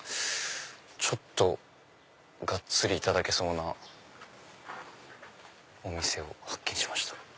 ちょっとガッツリいただけそうなお店を発見しました。